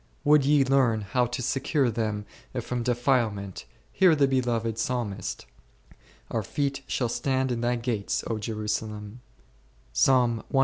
Would ye learn how to secure them from de filement, hear the beloved Psalmist, Our feet shall stand in thy gates, Jerusalem^ 1 .